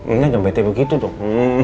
inilah jam blt begitu dong